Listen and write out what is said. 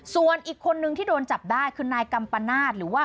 ส่วนอีกคนนึงที่โดนจับได้คือนายกัมปนาศหรือว่า